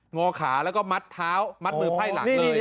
งอขาแล้วก็มัดเท้ามัดมือไพ่หลังเลย